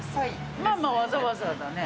まあまあ、わざわざだね。